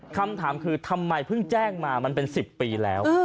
คำถามคือทำไมเพิ่งแจ้งมามันเป็น๑๐ปีแล้ว